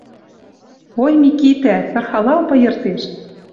«Ой, Микитӓ!.. Тырхалал пыйыртеш, —